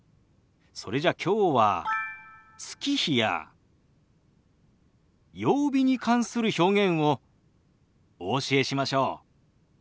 それじゃきょうは月日や曜日に関する表現をお教えしましょう。